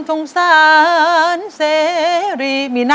สงสารเสรี